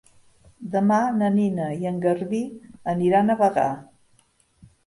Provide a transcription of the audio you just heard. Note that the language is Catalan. Demà na Nina i en Garbí aniran a Bagà.